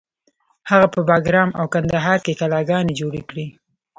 هغه په بګرام او کندهار کې کلاګانې جوړې کړې